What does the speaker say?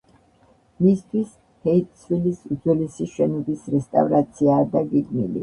მისთვის ჰეიტსვილის უძველესი შენობის რესტავრაციაა დაგეგმილი.